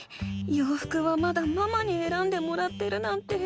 ようふくはまだママにえらんでもらってるなんて。